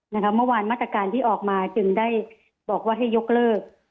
เมื่อวานมาตรการที่ออกมาจึงได้บอกว่าให้ยกเลิก